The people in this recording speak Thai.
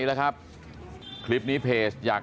สวัสดีครับคุณผู้ชาย